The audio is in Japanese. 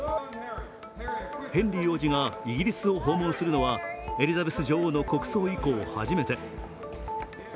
ヘンリー王子がイギリスを訪問するのはエリザベス女王の国葬以降初めて。